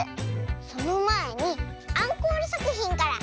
そのまえにアンコールさくひんから。